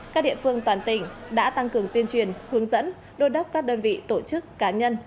các địa phương toàn tỉnh đã tăng cường tuyên truyền hướng dẫn đôn đốc các đơn vị tổ chức cá nhân